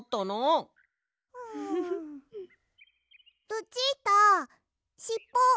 ルチータしっぽ。